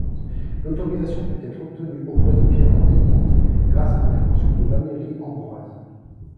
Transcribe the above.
L'autorisation put être obtenue auprès de Pierre Onténiente grâce à l'intervention de Valérie Ambroise.